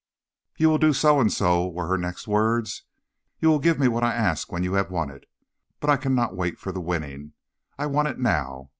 "'You will do so and so,' were her next words. 'You will give me what I ask when you have won it. But I cannot wait for the winning; I want it now.